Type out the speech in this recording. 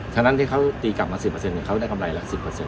ฉะนั้นที่เขาตีกลับมา๑๐เขาได้กำไรละ๑๐